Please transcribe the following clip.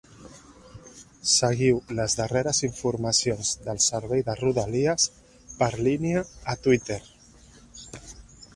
Seguiu les darreres informacions del servei de Rodalies per línia a Twitter.